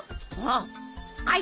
ああ